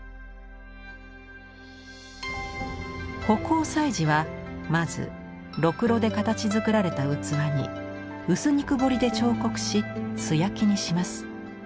葆光彩磁はまずろくろで形づくられた器に薄肉彫で彫刻し素焼きにします。